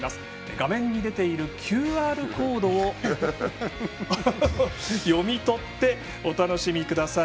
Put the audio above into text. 画面に出ているＱＲコードを読み取ってお楽しみください。